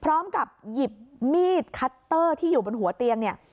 พร้อมกับหยิบมีดคัตเตอร์ที่อยู่บนหัวเตียงเนี่ย